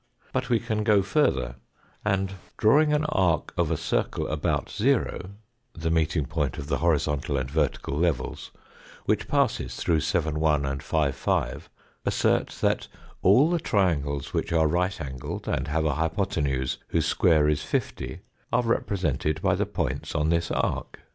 But we can go further, and, drawing an arc 88 THE FOURTH DIMENSION of a circle about o, the meeting point of the horizontal and vertical levels, which passes through 7, 1, and 5, 5, assert that all the triangles which are right angled and have a hypothenuse whose square is 50 are represented by the points on this arc.